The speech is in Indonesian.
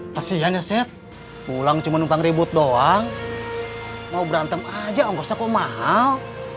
kasihan ya set pulang cuma numpang ribut doang mau berantem aja nggak usah kok mau